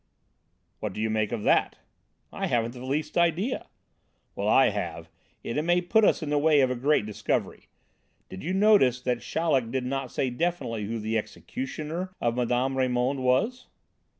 "What do you make of that?" "I haven't the least idea." "Well, I have, and it may put us in the way of a great discovery. Did you notice that Chaleck did not say definitely who the 'executioner' of Mme. Raymond was?"